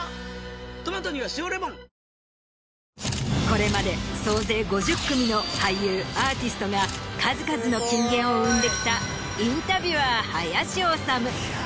これまで総勢５０組の俳優アーティストが数々の金言を生んできたインタビュアー林修。